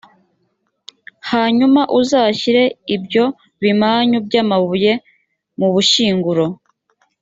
hanyuma uzashyire ibyo bimanyu by’amabuye mu bushyinguro.»